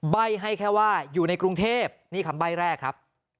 ใบ้ให้แค่ว่าอยู่ในกรุงเทพนี่คำใบ้แรกครับ